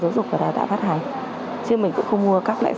chứ mình cũng không mua các loại sách la man nhiều